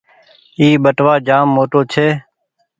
اي ٻٽوآ جآم موٽو ڇي۔